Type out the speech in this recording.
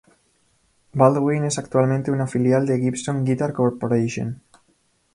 Baldwin es actualmente una filial de Gibson Guitar Corporation.